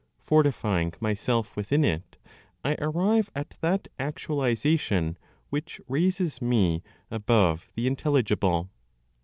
Fortifying myself within it, I arrive at that actualization which raises me above the intelligible.